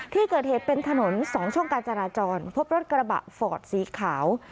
ที่เกิดเหตุเป็นถนน๒ช่องการจราจรพบรถกระบะฟอร์ดสีขาว